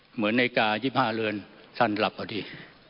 เหมือนในกา๒๕เรือนสรรหรับก่อนดี